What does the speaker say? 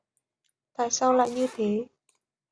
tại sao lại như thế